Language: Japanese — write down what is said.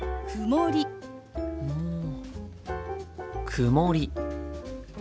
曇り。